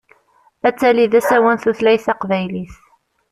Ad tali d asawen tutlayt taqbaylit.